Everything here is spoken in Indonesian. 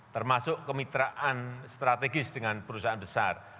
termasuk kemitraan strategis dengan perusahaan besar